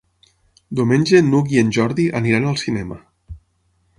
Diumenge n'Hug i en Jordi aniran al cinema.